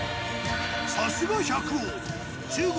さすが百王中国